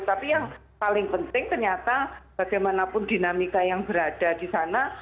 tapi yang paling penting ternyata bagaimanapun dinamika yang berada di sana